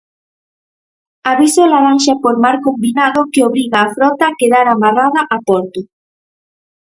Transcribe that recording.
Aviso laranxa por mar combinado que obriga a frota a quedar amarrada a porto.